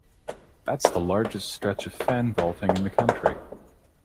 That's the largest stretch of fan vaulting in the country.